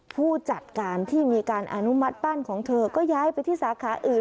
ผู้จัดการที่มีการอนุมัติบ้านของเธอก็ย้ายไปที่สาขาอื่น